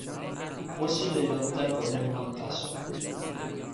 musi li lon tenpo mun wan taso.